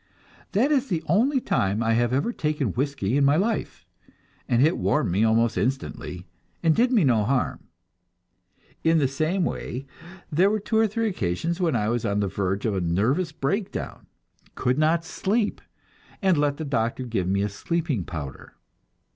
That is the only time I have ever taken whiskey in my life, and it warmed me almost instantly, and did me no harm. In the same way there were two or three occasions when I was on the verge of a nervous breakdown, and could not sleep, and let the doctor give me a sleeping powder.